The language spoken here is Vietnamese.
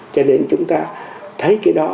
cho nên chúng ta thấy cái đó